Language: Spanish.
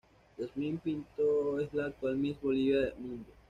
Jasmin Pinto es la actual Miss Bolivia Mundo.